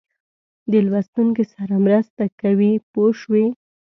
د لوستونکي سره مرسته کوي پوه شوې!.